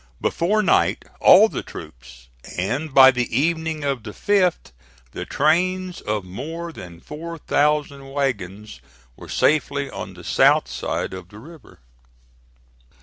Before night all the troops, and by the evening of the 5th the trains of more than four thousand wagons, were safely on the south side of the river.